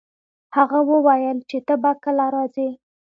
هغه وویل چي ته به کله راځي؟